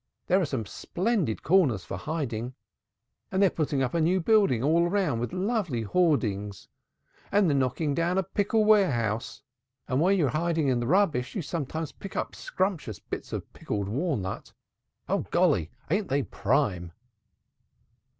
There are some splendid corners for hiding, and they are putting up new buildings all round with lovely hoardings, and they're knocking down a pickle warehouse, and while you are hiding in the rubbish you sometimes pick up scrumptious bits of pickled walnut. Oh, golly, ain't they prime!'"